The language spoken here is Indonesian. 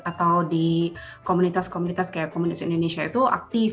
atau di komunitas komunitas kayak komunitas indonesia itu aktif